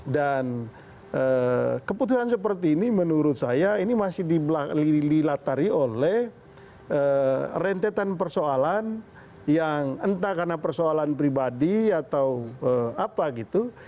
dan keputusan seperti ini menurut saya ini masih dililatari oleh rentetan persoalan yang entah karena persoalan pribadi atau apa gitu